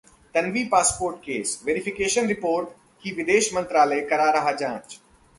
Tanvi passport case: verification report की विदेश मंत्रालय करा रहा जांच